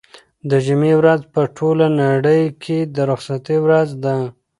د جمعې ورځ په ټوله نړۍ کې د رخصتۍ ورځ ده.